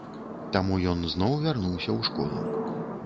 Таму ён зноў вярнуўся ў школу.